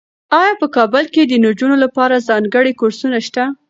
ایا په کابل کې د نجونو لپاره ځانګړي کورسونه شته؟